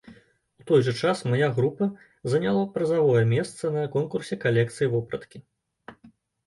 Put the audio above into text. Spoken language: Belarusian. У той жа час мая група заняла прызавое месца на конкурсе калекцый вопраткі.